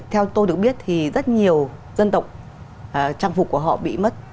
theo tôi được biết thì rất nhiều dân tộc trang phục của họ bị mất